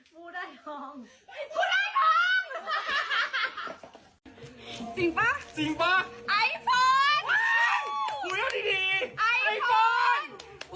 วู้ววว